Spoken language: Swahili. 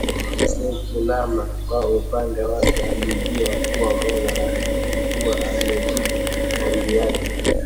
Mzee Kinama kwa upande wake alijua kuwa Mola alikuwa amejibu maombi yake